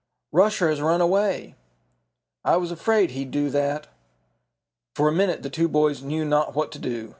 "Rusher has run away!" "I was afraid he'd do that." For a minute the two boys knew not what to do.